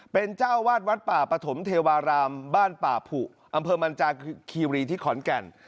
เป็นเจ้าวาดวัดป่าปฐมเทวารามบ้านป่าผุอำเภอมันจากคีรีที่ขอนแก่น